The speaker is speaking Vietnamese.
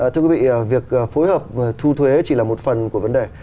thưa quý vị việc phối hợp thu thuế chỉ là một phần của vấn đề